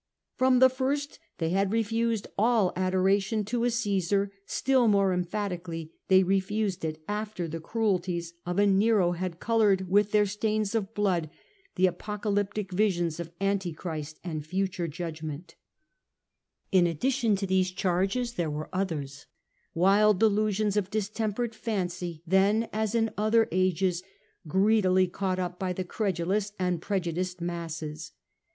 From the first they had refused all adoration to a Ctesar ; still more emphatically they refused it after the cruelties of a Nero had coloured with their stains of blood the Apocalyptic visions of Antichrist and future judgment. 134 The Age of the Antonines. ch. vi. In addition to these charges there were others ; wild delusions of distempered fancy, then, as in other ages, while foul greedily caught up by the credulous and storiMwere prejudiced masses.